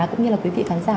cũng như là quý vị khán giả